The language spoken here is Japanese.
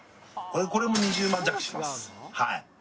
これも２０万弱しますはい！